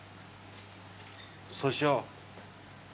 そうしよう。